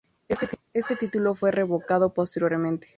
Este título fue revocado posteriormente.